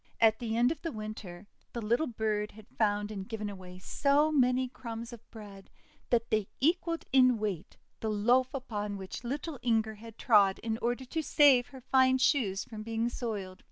At the end of the Winter the little bird had found and given away so many crumbs of bread that they equalled in weight the loaf upon which little Inger had trod in order to save her fine shoes from being soiled.